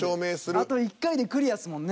あと１回でクリアっすもんね。